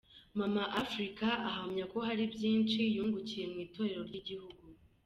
Mama Africa ahamya ko hari byinshi yungukiye mu itorero ry'igihugu.